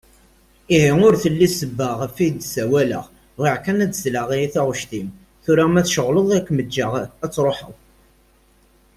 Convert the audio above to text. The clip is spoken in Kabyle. Ihi ur telli ssebba ɣef i d-ssawleɣ ; bɣiɣ kan ad d-sleɣ i taɣect-im. Tura ma tceɣleḍ ad kem-ǧǧeɣ ad truḥeḍ.